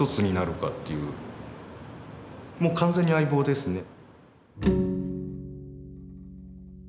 もう完全に相棒ですね。